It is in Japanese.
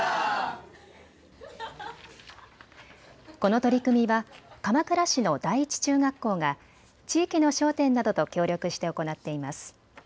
この取り組みは鎌倉市の第一中学校が地域の商店などと協力して行っています。